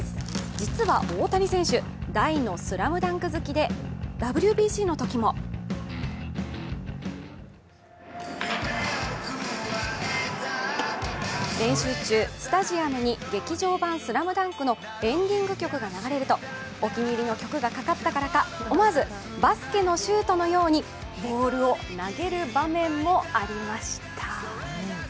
実は大谷選手、大の「ＳＬＡＭＤＵＮＫ」好きでＷＢＣのときも練習中、スタジアムに劇場版「ＳＬＡＭＤＵＮＫ」のエンディング曲が流れるとお気に入りの曲がかかったからか思わず、バスケのシュートのようにボールを投げる場面もありました。